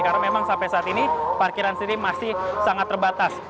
karena memang sampai saat ini parkiran sendiri masih sangat terbatas